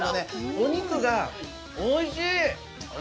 お肉がおいしい！